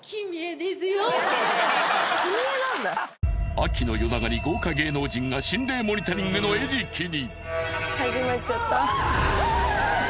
秋の夜長に豪華芸能人が心霊モニタリングの餌食に！